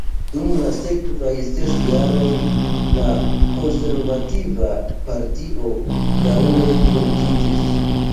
Dum la sekvaj ses jaroj, la Konservativa Partio daŭre fortiĝis.